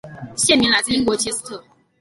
县名来自英国切斯特。